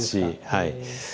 はい。